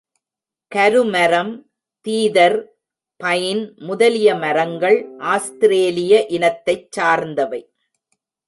கரு மரம், தீதர், பைன் முதலிய மரங்கள் ஆஸ்திரேலிய இனத்தைச் சார்ந்தவை.